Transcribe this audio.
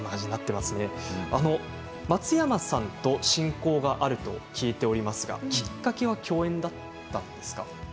松山さんと親交があると聞いておりますがきっかけは共演だったんですか？